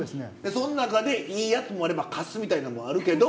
その中でいいやつもあればカスみたいなんもあるけど。